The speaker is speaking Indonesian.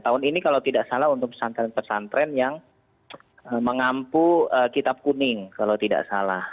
tahun ini kalau tidak salah untuk pesantren pesantren yang mengampu kitab kuning kalau tidak salah